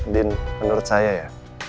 din menurut saya ya